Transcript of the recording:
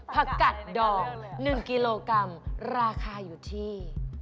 ผักกัดดอก๑กิโลกรัมราคาอยู่ที่